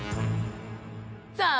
さあ